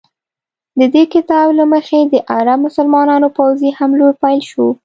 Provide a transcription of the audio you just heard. د دې کتاب له مخې د عرب مسلمانانو پوځي حملو پیل شو.